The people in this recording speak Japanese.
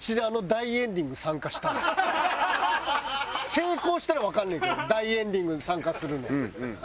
成功したらわかんねんけど大エンディングに参加するのは。